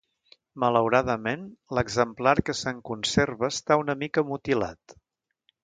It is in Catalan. Malauradament, l'exemplar que se'n conserva està una mica mutilat.